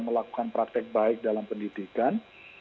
jadi kita harus melakukan praktek praktek baik dalam pendidikan